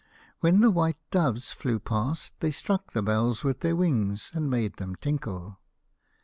When the white doves flew past, they struck the bells with their wings and made them tinkle.